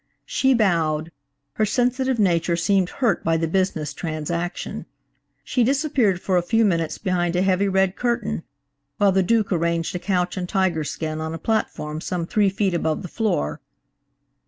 She bowed; her sensitive nature seemed hurt by the business transaction. She disappeared for a few minutes behind a heavy, red curtain, while the Duke arranged a couch and tiger skin on a platform some three feet above the floor.